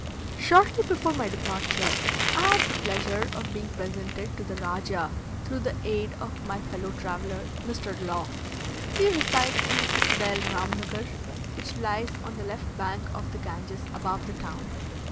Shortly before my departure I had the pleasure of being presented to the Rajah through the aid of my fellow traveller, Mr. Law. He resides in the Citadel Rhamnughur, which lies on the left bank of the Ganges, above the town.